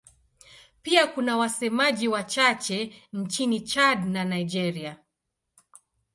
Pia kuna wasemaji wachache nchini Chad na Nigeria.